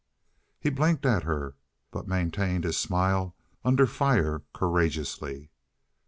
He blinked at her, but maintained his smile under fire courageously.